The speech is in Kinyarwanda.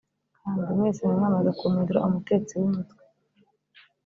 Kandi mwese mwari mwamaze kumpindura umutetsi w’imitwe”